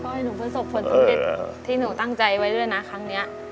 ให้หนูประสบผลสำเร็จที่หนูตั้งใจไว้ด้วยนะครั้งนี้